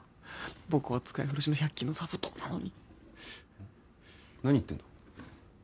僕は使い古しの百均の座布団なのに何言ってんだ